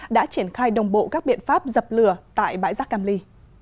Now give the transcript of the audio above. đã triển khai đồng bộ các biện pháp dập lửa tại bãi rác cam ly